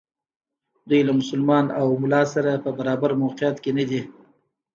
دوی له مسلمان او ملا سره په برابر موقعیت کې ندي.